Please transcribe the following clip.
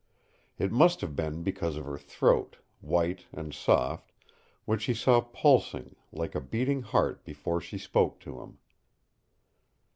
It must have been because of her throat, white and soft, which he saw pulsing like a beating heart before she spoke to him.